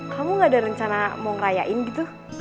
kamu gak ada rencana mau ngerayain gitu